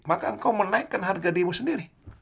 maka engkau menaikkan harga dirimu sendiri